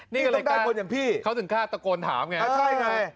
นี่ก็ต้องได้คนอย่างพี่เขาถึงฆ่าตะโกนถามไงอ่าใช่ไง